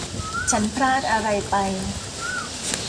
ฉันพลาดอะไรไป